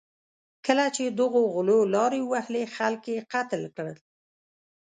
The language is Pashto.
کله چې دغو غلو لارې ووهلې، خلک یې قتل کړل.